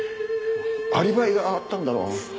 アリバイがあったんだろ。